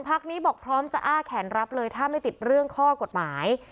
พักนี้บอกพร้อมจะอ้าแขนรับเลยถ้าไม่ติดเรื่องข้อกฎหมาย